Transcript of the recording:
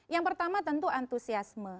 yang pertama tentu antusiasme